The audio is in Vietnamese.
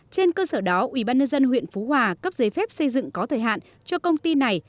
trên cơ sở đó ubnd huyện phú hòa cấp giấy phép xây dựng có thời hạn cho công ty này